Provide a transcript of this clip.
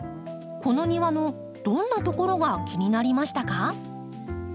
この庭のどんなところが気になりましたか？